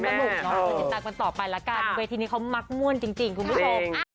จะติดตามกันต่อไปละกันเวทีนี้เขามักม่วนจริงคุณผู้ชม